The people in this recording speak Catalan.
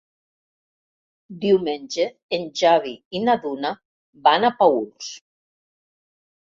Diumenge en Xavi i na Duna van a Paüls.